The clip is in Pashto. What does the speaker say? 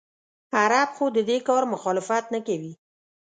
عرب خو د دې کار مخالفت نه کوي.